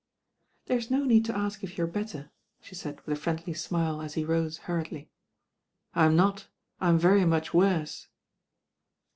"There's no need to ask if you are better," she said with a friendly smile, as he rose hurriedly. "I'm not ; I'm very much worse."